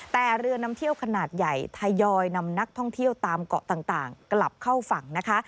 แต่เรือนำเที่ยวขนาดใหญ่ทยอยนำนักท่องเที่ยวตามเกาะต่างกลับเข้าฝั่งนะคะ